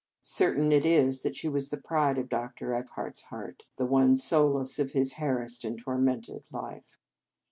Certain it is that she was the pride of Dr. Eckhart s heart, the one solace of his harassed and tormented life.